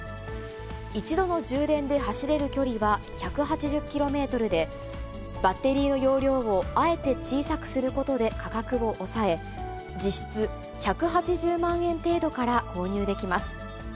一度の充電で走れる距離は１８０キロメートルで、バッテリーの容量をあえて小さくすることで価格を抑え、実質１８０万円程度から購入できます。